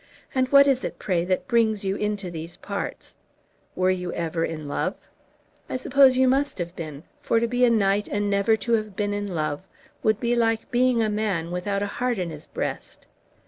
And what is it, pray, that brings you into these parts? Were you ever in love? I suppose you must have been; for to be a knight, and never to have been in love, would be like being a man without a heart in his breast."